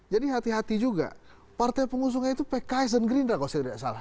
jadi hati hati juga partai pengusungnya itu pks dan gerindra kalau saya tidak salah